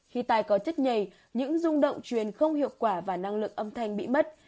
khi tay có chất nhầy những dung động truyền không hiệu quả và năng lực âm thanh bị mất